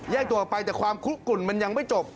ตัวออกไปแต่ความคุกกลุ่นมันยังไม่จบ